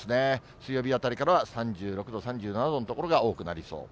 水曜日あたりからは３６度、３７度の所が多くなりそう。